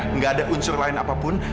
tidak ada unsur lain apapun